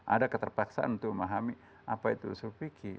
ada keterpaksaan untuk memahami apa itu usul fikih